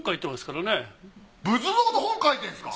仏像の本書いてんすか？